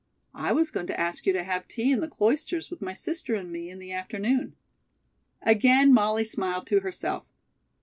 I was going to ask you to have tea in the Cloisters with my sister and me in the afternoon." Again Molly smiled to herself.